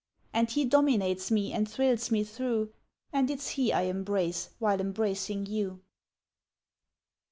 And he dominates me and thrills me through, And it's he I embrace while embracing you!"